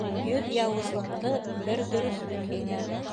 Йөҙ яуызлыҡты бер дөрөҫлөк еңә.